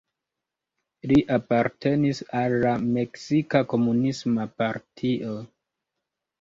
Li apartenis al la Meksika Komunisma Partio.